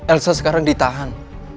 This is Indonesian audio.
elsa sekarang ditahan